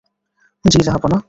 জ্বি, জাহাঁপনা।